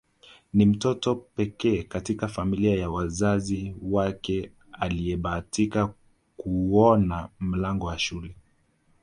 Ni mtoto pekee katika familia ya wazazi wake aliyebahatika kuuona mlango wa shule